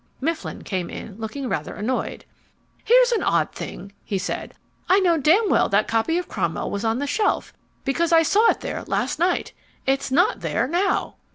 Mifflin came in, looking rather annoyed. "Here's an odd thing," he said. "I know damn well that copy of Cromwell was on the shelf because I saw it there last night. It's not there now."